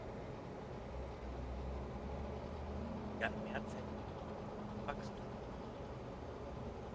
Die Mitose ist diejenige Zellteilung, die einem mehrzelligen Organismus Wachstum ermöglicht.